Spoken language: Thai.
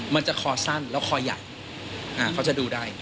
มันจะคอสั้นแล้วคอใหญ่เขาจะดูได้